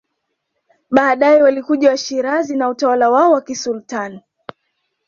Baadae walikuja Washirazi na utawala wao wa kisultani